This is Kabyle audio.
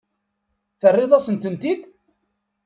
Terriḍ-asent-ten-id?